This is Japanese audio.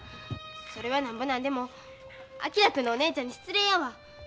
それはなんぼなんでも昭君のお姉ちゃんに失礼やわ。